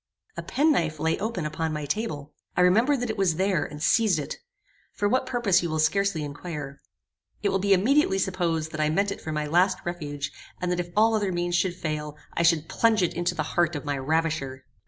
A penknife lay open upon my table. I remembered that it was there, and seized it. For what purpose you will scarcely inquire. It will be immediately supposed that I meant it for my last refuge, and that if all other means should fail, I should plunge it into the heart of my ravisher.